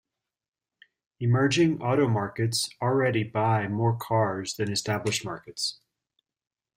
Emerging auto markets already buy more cars than established markets.